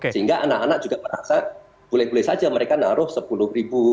sehingga anak anak juga merasa boleh boleh saja mereka naruh sepuluh ribu